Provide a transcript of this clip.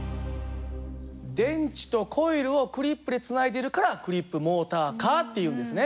電池とコイルをクリップでつないでいるからクリップモーターカーっていうんですね。